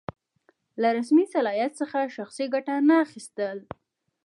له رسمي صلاحیت څخه شخصي ګټه نه اخیستل.